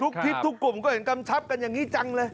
ทิพย์ทุกกลุ่มก็เห็นกำชับกันอย่างนี้จังเลย